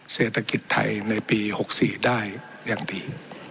เศรษฐกิจไทยในปี๖๔ได้อย่างดี